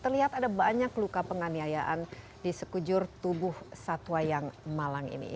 terlihat ada banyak luka penganiayaan di sekujur tubuh satwa yang malang ini